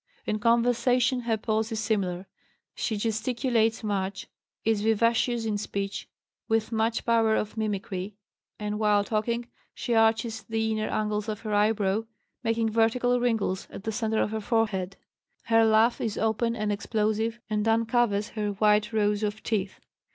In conversation her pose is similar; she gesticulates much, is vivacious in speech, with much power of mimicry, and while talking she arches the inner angles of her eyebrow, making vertical wrinkles at the center of her forehead. Her laugh is open and explosive and uncovers her white rows of teeth.